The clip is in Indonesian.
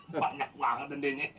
banyak banget ande nih